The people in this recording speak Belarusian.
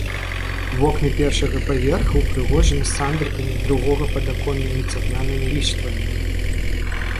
Вокны першага паверха ўпрыгожаны сандрыкамі, другога падаконнымі цаглянымі ліштвамі.